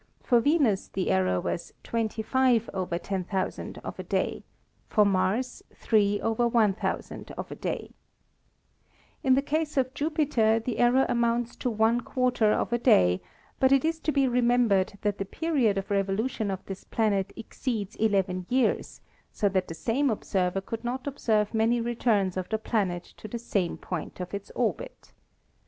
For Venus the error was 2S / 10000 of a day, for Mars Vicoo of a d a Y In the case of Jupiter the error amounts to one quarter of a day, but it is to be remembered that the period of revolution of this planet exceeds 11 years, so that the same observer could not observe many returns of the planet to the same point of its orbit.